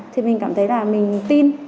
thì mình cảm thấy là mình tin